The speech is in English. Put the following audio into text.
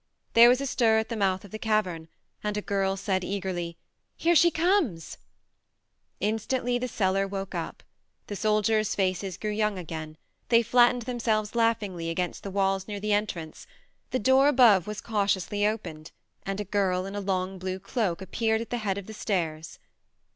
There was a stir at the mouth of the cavern, and a girl said eagerly :" Here she comes !" Instantly the cellar woke up. The soldiers' faces grew young again, they flattened themselves laughingly against the walls near the entrance, the door above was cautiously opened, and a girl in a long blue cloak appeared at the head of the stairs.